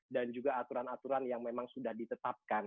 dan juga aturan aturan yang memang sudah ditetapkan